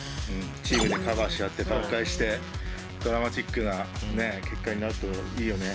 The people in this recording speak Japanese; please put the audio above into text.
チームでカバーし合って挽回してドラマチックな結果になるといいよね。